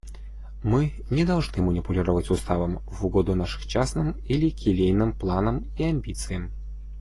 Мы не должны манипулировать Уставом в угоду нашим частным или келейным планам и амбициям.